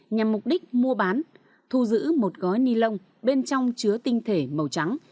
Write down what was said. nhằm mục đích mua bán thu giữ một gói ni lông bên trong chứa tinh thể màu trắng